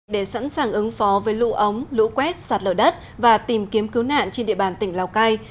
để sẵn sàng ứng phó với lũ ống lũ quét sạt lở đất và tìm kiếm cứu nạn trên địa bàn tỉnh lào cai